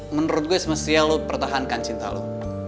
menurut gue semestinya lo pertahankan cinta lo